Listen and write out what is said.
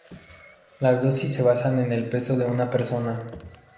Las dosis se basan en el peso de la persona.